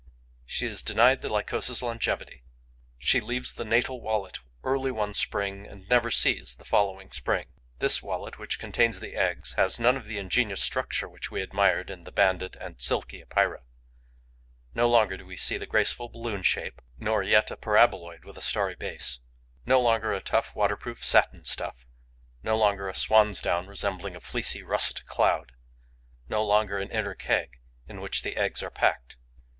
She is denied the Lycosa's longevity. She leaves the natal wallet early one spring and never sees the following spring. This wallet, which contains the eggs, has none of the ingenious structure which we admired in the Banded and in the Silky Epeira. No longer do we see a graceful balloon shape nor yet a paraboloid with a starry base; no longer a tough, waterproof satin stuff; no longer a swan's down resembling a fleecy, russet cloud; no longer an inner keg in which the eggs are packed.